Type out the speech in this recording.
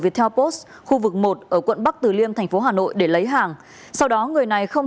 viettel post khu vực một ở quận bắc từ liêm thành phố hà nội để lấy hàng sau đó người này không